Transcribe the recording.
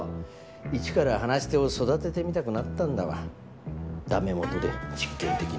一から話し手を育ててみたくなったんだわダメ元で実験的に。